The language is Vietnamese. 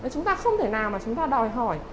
chúng ta không thể nào mà chúng ta đòi hỏi